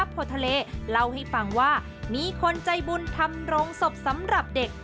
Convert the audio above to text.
โพทะเลเล่าให้ฟังว่ามีคนใจบุญทำโรงศพสำหรับเด็ก